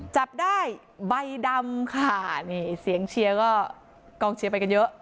จับได้ใบดำค่ะนี่เสียงเชียร์ก็กองเชียร์ไปกันเยอะ